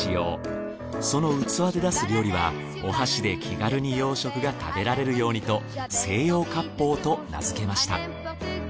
その器で出す料理はお箸で気軽に洋食が食べられるようにと西洋割烹と名づけました。